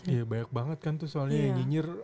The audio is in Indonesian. iya banyak banget kan tuh soalnya yang nyinyir